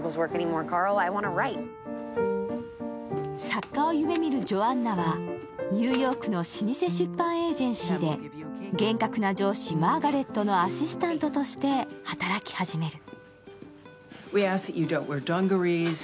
作家を夢見るジョアンナはニューヨークの老舗出版エージェンシーで厳格な上司、マーガレットのアシスタントとして働き始める。